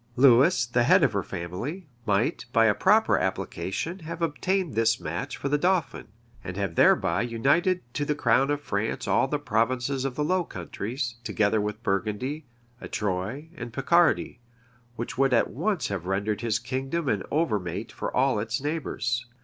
Lewis, the head of her family, might, by a proper application, have obtained this match for the dauphin, and have thereby united to the crown of France all the provinces of the Low Countries, together with Burgundy, Artois, and Picardy; which would at once have rendered his kingdom an overmate for all its neighbors.